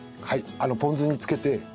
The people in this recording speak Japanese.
はいポン酢につけて。